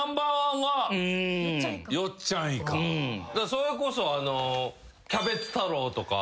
それこそキャベツ太郎とか。